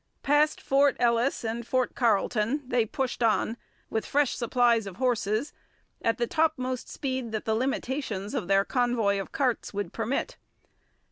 Past Fort Ellice and Fort Carlton, they pushed on with fresh supplies of horses at the topmost speed that the limitations of their convoy of carts would permit.